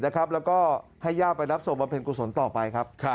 แล้วก็ให้ย่าไปรับสรุปภัพพินุกุศลต่อไป